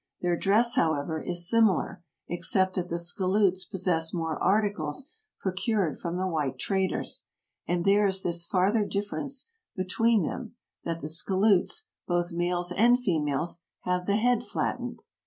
Their dress, however, is similar, except that the Skilloots possess more articles pro cured from the white traders ; and there is this farther differ ence between them, that the Skilloots, both males and females, have the head flattened.